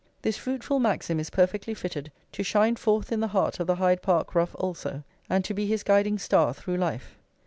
this fruitful maxim is perfectly fitted to shine forth in the heart of the Hyde Park rough also, and to be his guiding star through life.